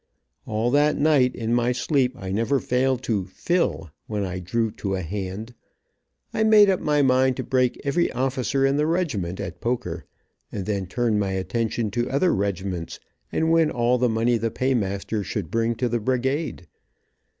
All that night, in my sleep, I never failed to "fill" when I drew to a hand. I made up my mind to break every officer in the regiment, at poker, and then turn my attention to other regiments, and win all the money the paymaster should bring to the brigade.